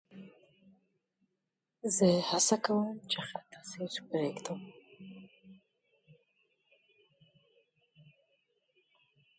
زه هڅه کوم، چي ښه تاثیر پرېږدم.